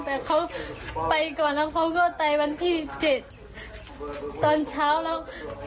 แต่เขาไปก่อนแล้วเขาก็ไปวันที่๗ตอนเช้าแล้ว